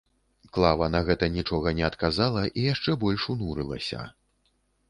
Клава на гэта нічога не адказала і яшчэ больш унурылася.